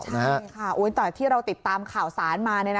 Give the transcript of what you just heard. ใช่ค่ะแต่ที่เราติดตามข่าวสารมา